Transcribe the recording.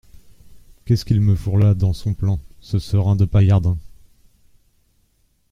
Qu’est-ce qu’il me fourre là, dans son plan, ce serin de Paillardin !